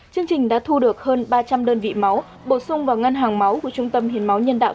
chương trình đã thu được hơn ba trăm linh đơn vị máu bổ sung vào ngân hàng máu của trung tâm hiến máu nhân đạo